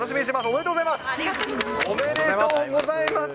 ありがとうございます。